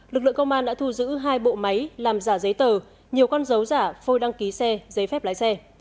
lực lượng công an đã thu giữ hai bộ máy làm giả giấy tờ nhiều con dấu giả phôi đăng ký xe giấy phép lái xe